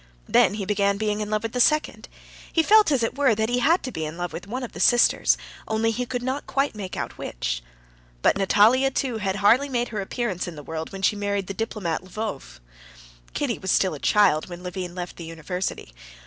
Then he began being in love with the second. He felt, as it were, that he had to be in love with one of the sisters, only he could not quite make out which. But Natalia, too, had hardly made her appearance in the world when she married the diplomat Lvov. Kitty was still a child when Levin left the university.